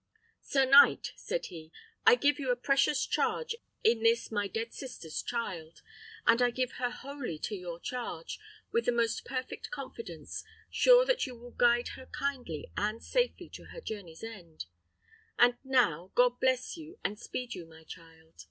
"Sir knight," said he, "I give you a precious charge in this my dead sister's child; and I give her wholly to your charge, with the most perfect confidence, sure that you will guide her kindly and safely to her journey's end. And now, God bless you and speed you, my child!"